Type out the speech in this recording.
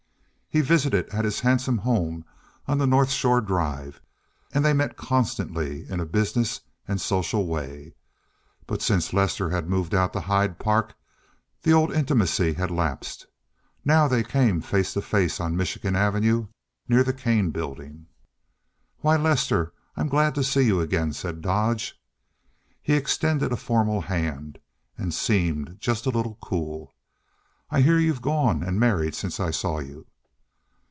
He visited at his handsome home on the North Shore Drive, and they met constantly in a business and social way. But since Lester had moved out to Hyde Park, the old intimacy had lapsed. Now they came face to face on Michigan Avenue near the Kane building. "Why, Lester, I'm glad to see you again," said Dodge. He extended a formal hand, and seemed just a little cool. "I hear you've gone and married since I saw you."